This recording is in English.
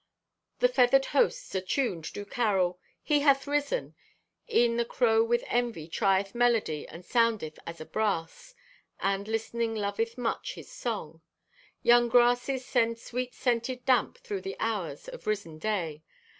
The feathered hosts, atuned, do carol, "He hath risen!" E'en the crow with envy trieth melody and soundeth as a brass; and listening, loveth much his song. Young grasses send sweet scented damp through the hours of risen day.